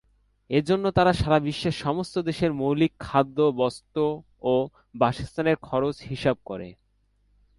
এজন্য তারা সারা বিশ্বের সমস্ত দেশের মৌলিক খাদ্য, বস্ত্র ও বাসস্থানের খরচ হিসাব করে।